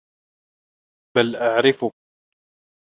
بَلْ أَعْرِفُك